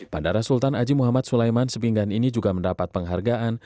bandara sultan haji muhammad sulaiman sepinggan ini juga mendapat penghargaan